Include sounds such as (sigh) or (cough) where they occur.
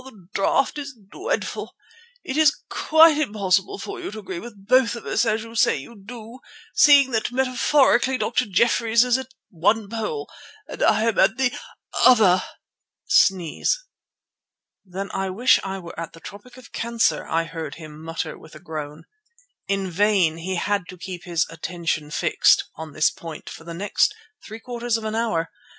The draught is dreadful. It is quite impossible for you to agree with both of us, as you say you do, seeing that metaphorically Dr. Jeffreys is at one pole and I am at the other." (sneezes) "Then I wish I were at the Tropic of Cancer," I heard him mutter with a groan. In vain; he had to keep his "attention fixed" on this point for the next three quarters of an hour.